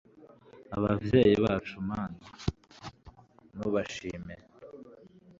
abavyeyi bacu mana n'ubashime